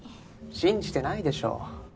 信じてないでしょ！